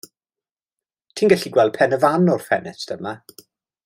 Ti'n gallu gweld Pen y Fan o'r ffenest yma.